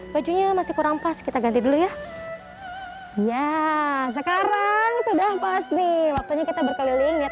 bajunya masih kurang pas kita ganti dulu ya iya sekarang sudah pasti waktunya kita berkeliling